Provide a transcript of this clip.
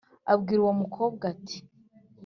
abwira uwo mukobwa ati”